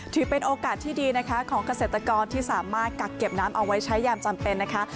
ถือเป็นโอกาสที่ดีนะคะของเกษตรกรที่สามารถกักเก็บน้ำเอาไว้ใช้ยามจำเป็นนะคะ